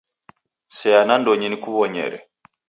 Seya nandonyi nkuw'onyere.